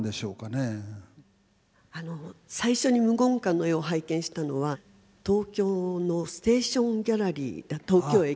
あの最初に無言館の絵を拝見したのは東京のステーションギャラリー東京駅の。